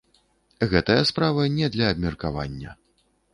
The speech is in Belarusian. Гэтая справа не для абмеркавання.